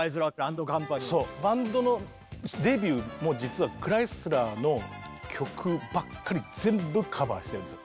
バンドのデビューも実はクライスラーの曲ばっかり全部カバーしてるんです。